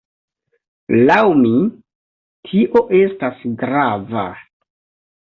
Laŭ mi, tio estas grava.